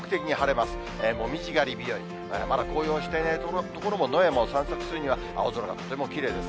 まだまだ紅葉していない所も、野山を散策するには青空がとてもきれいです。